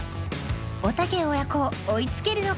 おたけ親子追いつけるのか？